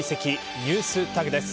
ＮｅｗｓＴａｇです。